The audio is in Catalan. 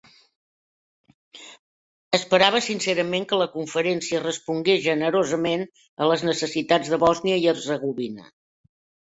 Esperava sincerament que la Conferència respongués generosament a les necessitats de Bòsnia i Hercegovina.